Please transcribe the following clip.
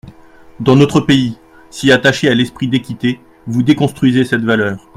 Dans notre pays, si attaché à l’esprit d’équité, vous déconstruisez cette valeur.